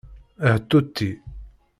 Htuti.